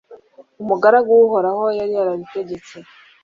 umugaragu w'uhoraho, yari yarabitegetse